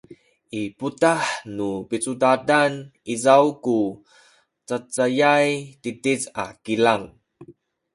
i putah nu picudadan izaw ku cacayay titic a kilang